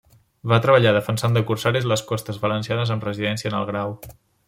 Va treballar defensant de corsaris les costes valencianes amb residència en El Grau.